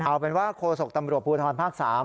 เอาเป็นว่าโคศกตำรวจภูทรภาค๓